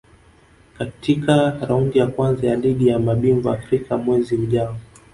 katika Raundi ya Kwanza ya Ligi ya Mabingwa Afrika mwezi ujao